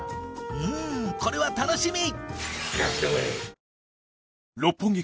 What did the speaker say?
うんこれは楽しみ！